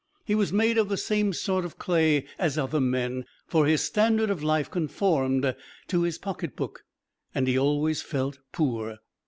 He was made of the same sort of clay as other men, for his standard of life conformed to his pocketbook and he always felt poor.